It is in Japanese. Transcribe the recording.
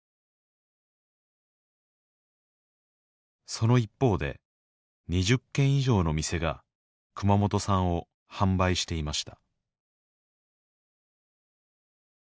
その一方で２０軒以上の店が熊本産を販売していました